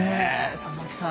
佐々木さん